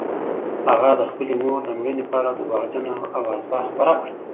هغه د خپلې مور د مړینې په اړه درواغجنه اوازه خپره کړه.